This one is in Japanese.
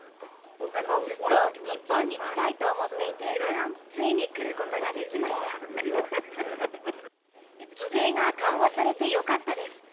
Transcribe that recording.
ずっと日本に来たいと思っていて、ついに来ることができまし規制が緩和されてよかったです。